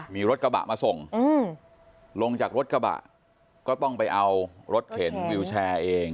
มีรถกระบะมาส่งลงจากรถกระบะก็ต้องไปเอารถเข็นวิวแชร์เอง